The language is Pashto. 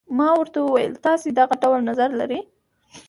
ما ورته وویل تاسي دغه ډول نظر لرئ.